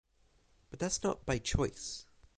But that’s not by choice.